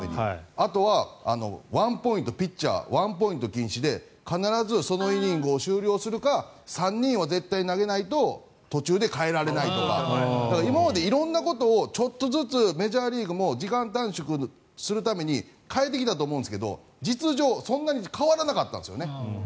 あとはピッチャーワンポイント禁止で必ずそのイニングを終了するか３人は絶対に投げないと途中で代えられないとか今まで色んなことをちょっとずつメジャーリーグも時間短縮するために変えてきたと思うんですが実情、そんなに時間が変わらなかったんですよね。